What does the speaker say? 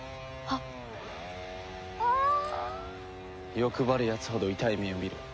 欲張るやつほど痛い目を見る。